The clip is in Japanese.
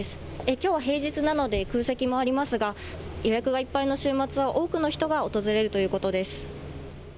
きょうは平日なので空席もありますが予約がいっぱいの週末は多くの人が訪れるということです。